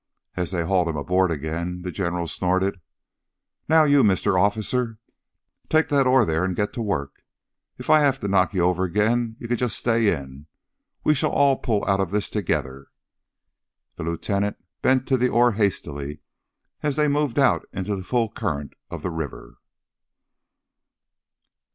As they hauled him aboard again, the General snorted. "Now you, Mistuh officer, take that oar theah and git to work! If I have to knock you over again, you can just stay in. We shall all pull out of this together!" The lieutenant bent to the oar hastily as they moved out into the full current of the river.